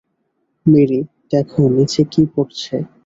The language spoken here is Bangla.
মেরি, দেখো নিচে কী পড়ছে?